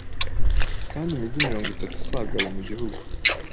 Kandi imigi mirongo itatu isigayemugihugu